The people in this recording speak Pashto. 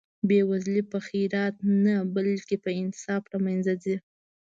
بې وزلي په خیرات نه بلکې په انصاف له منځه ځي.